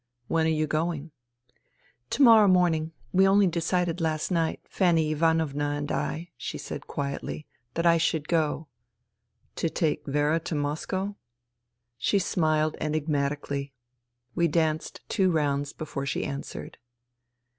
" When are you going ?"" To morrow morning. We only decided last night, Fanny Ivanovna and I," she said quietly, " that I should go." " To take Vera to Moscow ?" She smiled enigmatically. We danced two rounds before she answered.